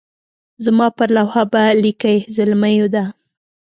زما پر لوحه به لیکئ زلمیو دا.